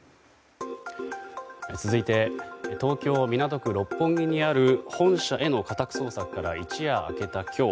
続いて東京・港区六本木にある本社への家宅捜索から一夜明けた今日。